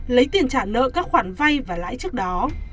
lấy tiền trả nợ các khoản vay và lãi trước đó